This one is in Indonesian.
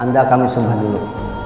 anda kami sembah dulu